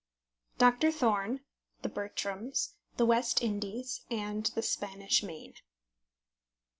DOCTOR THORNE THE BERTRAMS THE WEST INDIES AND THE SPANISH MAIN.